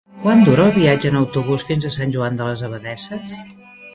Quant dura el viatge en autobús fins a Sant Joan de les Abadesses?